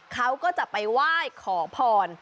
เขาก็จะไปไหว้ขอพร